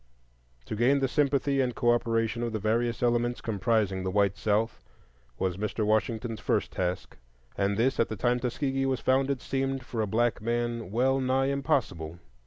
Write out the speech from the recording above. To gain the sympathy and cooperation of the various elements comprising the white South was Mr. Washington's first task; and this, at the time Tuskegee was founded, seemed, for a black man, well nigh impossible.